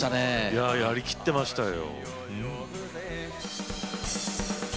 いややりきってましたよ。